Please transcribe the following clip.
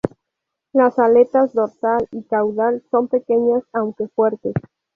Las aletas dorsal y caudal son pequeñas aunque fuertes.